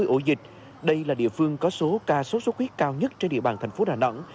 một trăm ba mươi ổ dịch đây là địa phương có số ca xuất xuất huyết cao nhất trên địa bàn thành phố đà nẵng